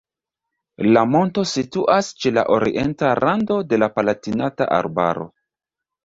La monto situas ĉe la orienta rando de la Palatinata Arbaro.